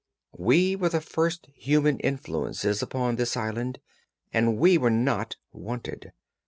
We were the first human influences upon this island, and we were not wanted.